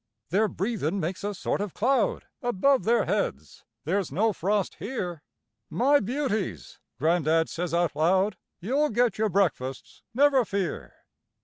Their breathin' makes a sort of cloud Above their heads there's no frost here. "My beauties," gran'dad says out loud, "You'll get your breakfasts, never fear."